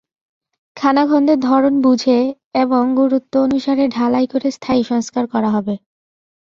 খানাখন্দের ধরন বুঝে এবং গুরুত্ব অনুসারে ঢালাই করে স্থায়ী সংস্কার করা হবে।